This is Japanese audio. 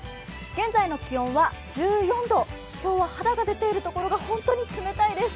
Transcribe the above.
現在の気温は１４度、今日は肌が出ているところが本当に冷たいです。